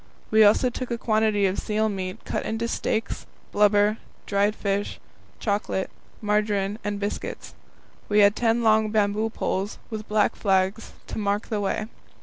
We also took a quantity of seal meat cut into steaks, blubber, dried fish, chocolate, margarine, and biscuits. We had ten long bamboo poles, with black flags, to mark the way.